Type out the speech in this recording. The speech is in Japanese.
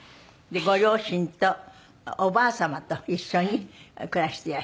ご両親とおばあ様と一緒に暮らしていらっしゃる？